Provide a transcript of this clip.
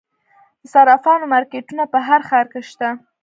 د صرافانو مارکیټونه په هر ښار کې شته